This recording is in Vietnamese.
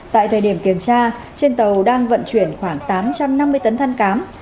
tại thời điểm kiểm tra trên tàu đang vận chuyển khoảng tám trăm năm mươi tấn than cám